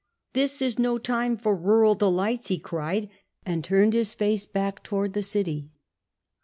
This is no time for rural delights," he cried, and turned his face back towards the city.